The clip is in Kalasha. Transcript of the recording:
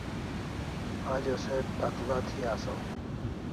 Ajo se takl'a thi asaw